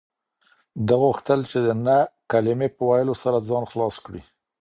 ده غوښتل چې د نه کلمې په ویلو سره ځان خلاص کړي.